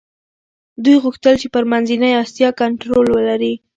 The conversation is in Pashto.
دوی غوښتل چي پر منځنۍ اسیا کنټرول ولري.